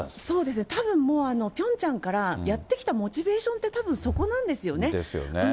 そうですね、多分もう、ピョンチャンから、やってきたモチベーションってたぶん、そこなんですよね。